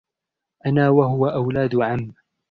أنا وهو أولاد عَم.